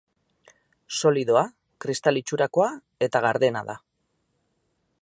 Solidoa, kristal itxurakoa eta gardena da.